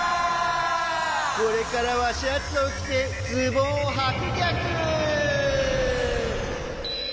これからはシャツをきてズボンをはくギャク！